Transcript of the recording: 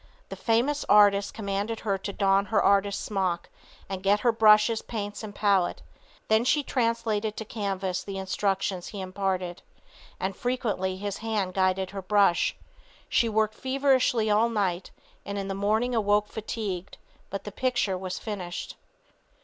The famous artist commanded her to don her artist smock and get her brushes, paints and palette; then she translated to canvas the instructions he imparted, and frequently his hand guided her brush. She worked feverishly all night, and in the morning awoke fatigued, but the picture was finished.